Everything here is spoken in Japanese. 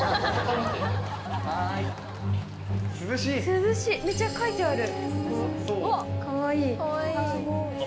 涼しいめちゃ描いてある。